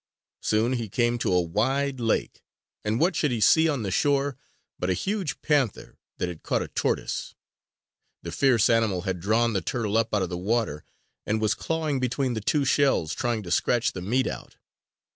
Soon he came to a wide lake, and what should he see on the shore but a huge panther that had caught a tortoise! The fierce animal had drawn the turtle up out of the water and was clawing between the two shells trying to scratch the meat out.